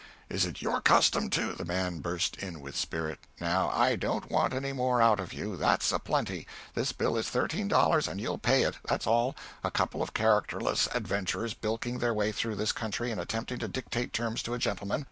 Is it your custom to " The man burst in with spirit: "Now, I don't want any more out of you that's a plenty. The bill is thirteen dollars and you'll pay it that's all; a couple of characterless adventurers bilking their way through this country and attempting to dictate terms to a gentleman!